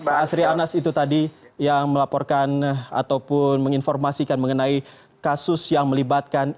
pak asri anas itu tadi yang melaporkan ataupun menginformasikan mengenai kasus yang melibatkan